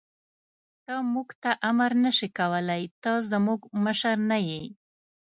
ته موږ ته امر نه شې کولای، ته زموږ مشر نه یې.